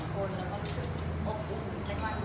คือเต็มแรก